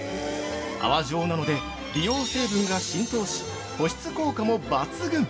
泡状なので美容成分が浸透し保湿効果も抜群。